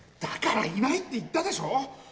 だからいないって言ったでしょ！